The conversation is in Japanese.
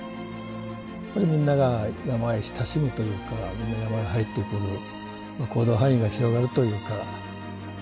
やっぱりみんなが山へ親しむというかみんな山へ入ってくる行動範囲が広がるというか。